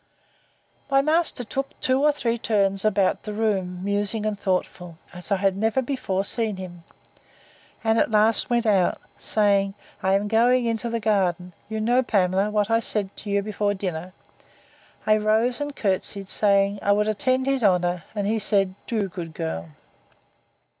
My master took two or three turns about the room, musing and thoughtful, as I had never before seen him; and at last he went out, saying, I am going into the garden: You know, Pamela, what I said to you before dinner. I rose, and courtesied, saying, I would attend his honour; and he said, Do, good girl!